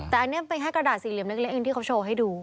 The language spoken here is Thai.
แต่อันนี้มันเป็นแค่กระดาษสี่เหลี่ยมเล็กเองที่เขาโชว์ให้ดู